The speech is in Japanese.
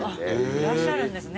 いらっしゃるんですね